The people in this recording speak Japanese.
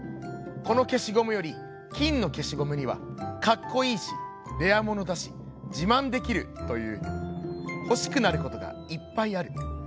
このけしゴムより金のけしゴムには『かっこいいしレアものだしじまんできる』というほしくなることがいっぱいある。